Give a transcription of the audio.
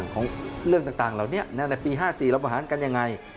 ของเรื่องต่างเราในปี๕๔เราบังหันกันอย่างไร